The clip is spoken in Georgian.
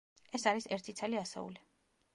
ეს არის ერთი ცალი ასეული.